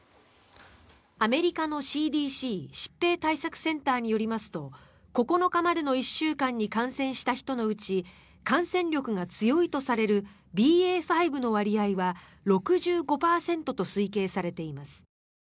アメリカのＣＤＣ・疾病対策センターによりますと９日までの１週間に感染した人のうち感染力が強いとされるＢＡ．５の割合は６５％と推計されています。